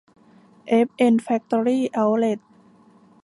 เอฟเอ็น แฟคตอรี่ เอ๊าท์เลท